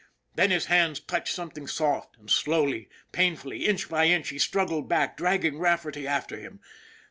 Then his hands touched something soft, and slowly, painfully, inch by inch, he struggled back dragging Rafferty after him.